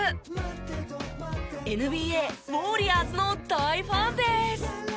ＮＢＡウォリアーズの大ファンです！